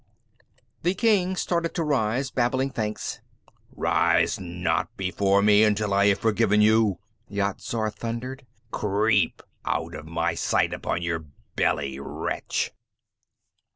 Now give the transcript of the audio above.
_" The king started to rise, babbling thanks. "Rise not before me until I have forgiven you!" Yat Zar thundered. "_Creep out of my sight upon your belly, wretch!